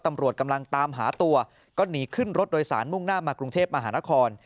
ตำรวจกำลังตามหาตัวก็หนีขึ้นรถโดยสารมุ่งหน้ามากรุงเทพมหานคร